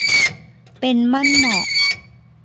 เป็นมั่นเหมาะ